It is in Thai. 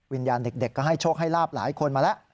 วิญญาณเด็กก็ให้โชคให้ลาบหลายคนมาแล้ว